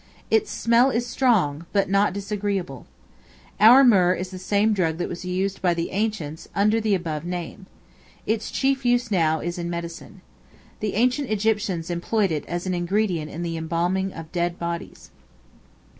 Its smell is strong, but not disagreeable. Our myrrh is the same drug that was used by the ancients under the above name. Its chief use now is in medicine. The ancient Egyptians employed it as an ingredient in the embalming of dead bodies.